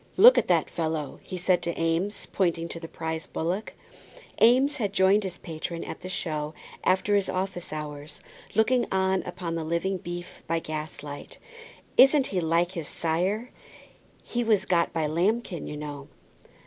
"Look at that fellow," he said to Eames, pointing to the prize bullock. Eames had joined his patron at the show after his office hours, looking on upon the living beef by gaslight. "Isn't he like his sire? He was got by Lambkin, you know."